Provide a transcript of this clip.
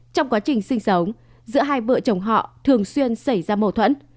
trong quá trình sinh sống giữa hai vợ chồng họ thường xuyên xảy ra mâu thuẫn